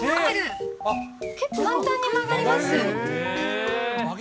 結構簡単に曲がります。